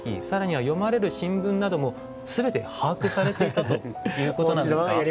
更には読まれる新聞なども全て把握されていたということなんですか？